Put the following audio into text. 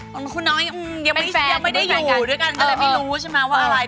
คุณน้องยังไม่ได้อยู่ด้วยกันก็เลยไม่รู้ใช่ไหมว่าอะไร